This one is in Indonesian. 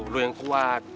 lu yang kuat